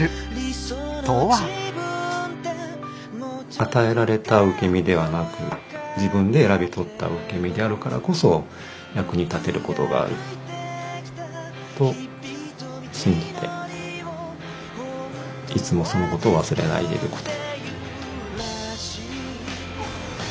与えられた受け身ではなく自分で選び取った受け身であるからこそ役に立てることがあると信じていつもそのことを忘れないでいること。